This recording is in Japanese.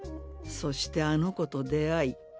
そしてあの子と出会い